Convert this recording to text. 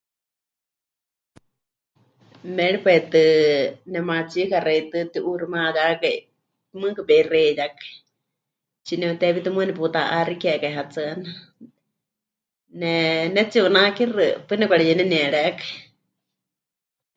Méripai tɨ nemaatsika xewítɨ pɨti'uuximayákai, mɨɨkɨ peixeiyakai, tsine'uteewítɨ muuwa neputa'axikekai hetsɨana, ne... netsi'unakixɨ, paɨ nepɨkareyenenierékai.